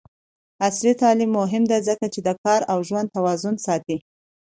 عصري تعلیم مهم دی ځکه چې د کار او ژوند توازن ساتي.